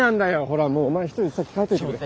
ほらもうお前１人で先帰ってくれ。